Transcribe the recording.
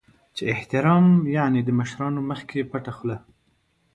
چې احترام یعنې د مشرانو مخکې پټه خوله .